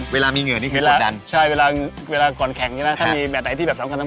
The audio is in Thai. เวลามีเหงื่อนี่คือกดดันใช่เวลาเวลาก่อนแข่งใช่ไหมถ้ามีแมทไหนที่แบบสำคัญ